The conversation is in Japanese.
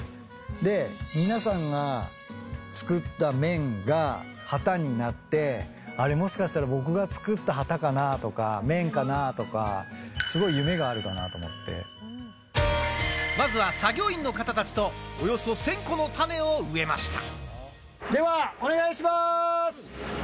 で、皆さんが作った綿が、旗になって、あれ、もしかしたら僕が作った旗かなとか、綿かなとか、すごい夢があるまずは作業員の方たちと、およそ１０００個の種を植えました。